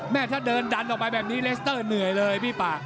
ถ้าเดินดันออกไปแบบนี้เลสเตอร์เหนื่อยเลยพี่ป่า